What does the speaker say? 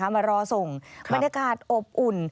มารอส่งบรรยากาศอบอุ่น